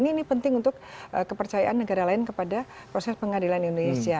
ini penting untuk kepercayaan negara lain kepada proses pengadilan indonesia